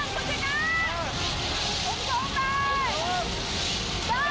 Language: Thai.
ได้แล้วค่ะ